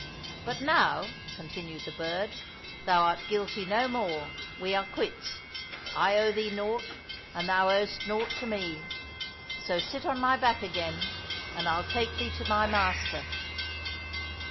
" But now," continued the bird, " thou art guilty no more. We are quits. I owe thee naught, and thou owest naught to me ; so sit on my back again, and I'll take thee to my master."